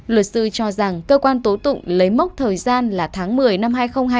luật sư cho rằng cơ quan tố tụng lấy mốc thời gian là tháng một mươi năm hai nghìn hai mươi ba